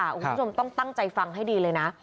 คุณผู้ชมต้องตั้งใจฟังให้ดีเลยนะ